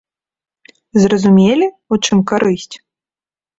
Зразумелі, у чым карысць?